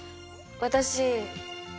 私。